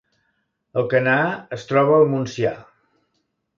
Alcanar es troba al Montsià